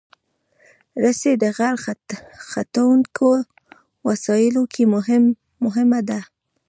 رسۍ د غر ختونکو وسایلو کې مهمه ده.